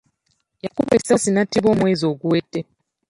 Yakubwa essasi n'attibwa omwezi oguwedde.